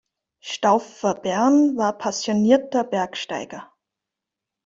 Stauffer-Bern war passionierter Bergsteiger.